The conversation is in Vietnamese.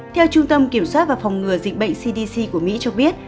theo trung tâm kiểm soát và phòng ngừa dịch bệnh cdc của mỹ cho biết